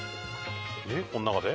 この中で？